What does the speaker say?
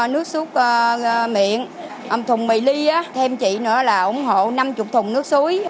nước suốt miệng thùng mì ly thêm chị nữa là ủng hộ năm mươi thùng nước suối